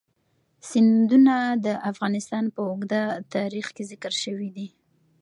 سیندونه د افغانستان په اوږده تاریخ کې ذکر شوی دی.